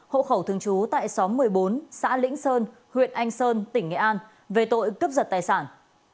hộ khẩu thường trú tại xóm một mươi bốn xã lĩnh sơn huyện anh sơn tỉnh nghệ an về tội cướp giật tài sản